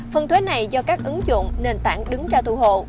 phần thuế này do các ứng dụng nền tảng đứng ra thu hộ